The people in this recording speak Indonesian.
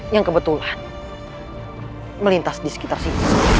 yang kebetulan melintas disekitar sini